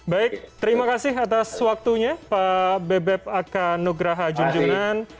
baik terima kasih atas waktunya pak bebep akanugraha junjungan